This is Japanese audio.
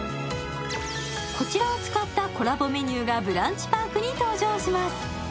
こちらを使ったコラボメニューがＢＲＵＮＣＨＰＡＲＫに登場します。